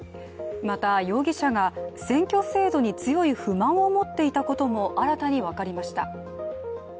また、容疑者が選挙制度に強い不満を持っていたことも新たに分かりました。